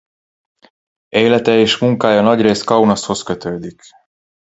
Élete és munkája nagyrészt Kaunashoz kötődik.